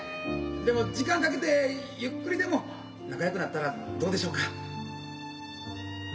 でも時間かけてゆっくりでも仲よくなったらどうでしょうか。